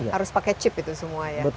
harus pakai chip itu semua ya